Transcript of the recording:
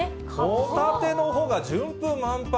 ホタテの帆が、順風満帆。